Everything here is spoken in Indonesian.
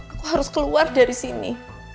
aku harus keluar dari sini